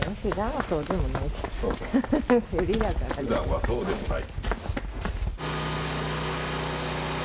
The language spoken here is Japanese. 「普段はそうでもない」。